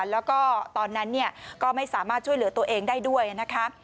แล้วก็ตอนนั้นก็ไม่สามารถช่วยเหลือตัวเองได้ด้วยนะคะ